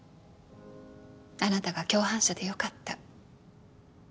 あなたが共犯者でよかった